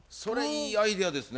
いいアイデアですね。